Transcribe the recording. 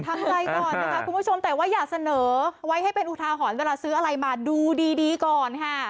ทำใจก่อนนะคะคุณผู้ชมแต่ว่าอย่าเสนอไว้ให้เป็นอุทาหรณ์เวลาซื้ออะไรมาดูดีก่อนค่ะ